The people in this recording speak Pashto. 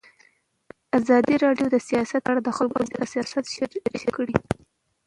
ازادي راډیو د سیاست په اړه د خلکو احساسات شریک کړي.